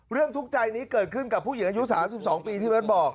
เรื่องทุกใจนี้เกิดขึ้นกับผู้หญิงอายุ๓๒ปีที่มันบอก